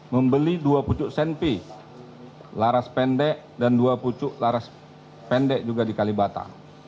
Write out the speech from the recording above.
membeli dua pucuk senpi laras pendek dan dua pucuk laras pendek juga di kalibata